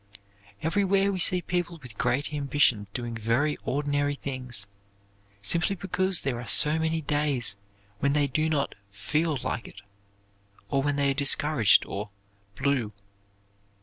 Everywhere we see people with great ambitions doing very ordinary things, simply because there are so many days when they do not "feel like it" or when they are discouraged or "blue."